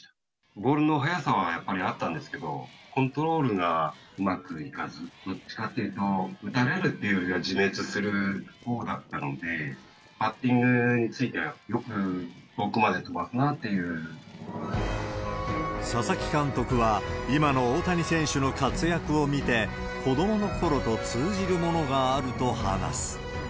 ボールの速さはやっぱりあったんですけど、コントロールがうまくいかず、どっちかっていうと、打たれるっていうよりは自滅するほうだったので、バッティングについては、佐々木監督は、今の大谷選手の活躍を見て、子どものころと通じるものがあると話す。